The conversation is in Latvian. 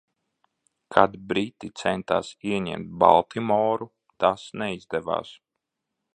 Kad briti centās ieņemt Baltimoru, tas neizdevās.